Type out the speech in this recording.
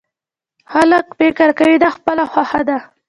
خلک فکر کوي دا خپله خوښه ده.